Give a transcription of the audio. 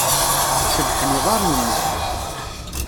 Cebḥen yiḍarren-nnek.